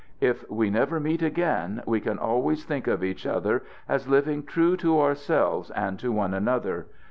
If we never meet again, we can always think of each other as living true to ourselves and to one another.